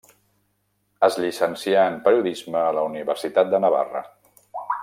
Es llicencià en periodisme a la Universitat de Navarra.